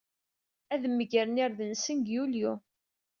Ad megren irden-nsen deg Yulyu.